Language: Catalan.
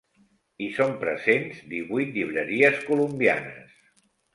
Hi són presents divuit llibreries colombianes.